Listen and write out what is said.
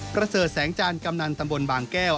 ประเสริฐแสงจานกำนันตำบลบางแก้ว